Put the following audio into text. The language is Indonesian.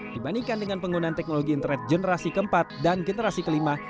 dibandingkan dengan penggunaan teknologi internet generasi keempat dan generasi kelima